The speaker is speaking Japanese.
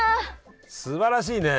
すばらしいね。